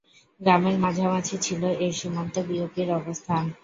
গ্রামের মাঝামাঝি ছিল এ সীমান্ত বিওপি’র অবস্থান।